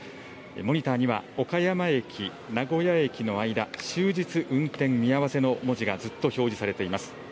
モニターには岡山駅、名古屋駅の間、終日運転見合わせの文字がずっと表示されています。